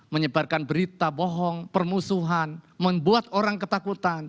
menyebarkan berita bohong permusuhan membuat orang ketakutan